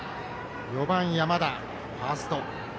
４番、山田、ファースト。